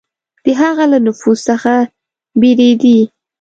د هغه له نفوذ څخه بېرېدی.